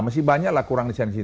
masih banyak lah kurang di sisi